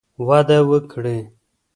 وده وکړي